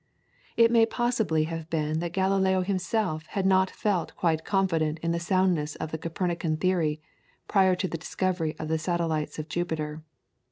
It may possibly have been that Galileo himself had not felt quite confident in the soundness of the Copernican theory, prior to the discovery of the satellites of Jupiter.